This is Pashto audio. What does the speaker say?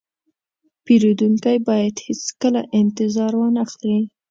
پیرودونکی باید هیڅکله انتظار وانهخلي.